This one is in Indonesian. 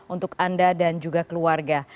untuk anda dan juga keluarga